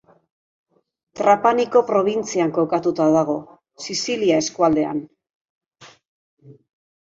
Trapaniko probintzian kokatuta dago, Sizilia eskualdean.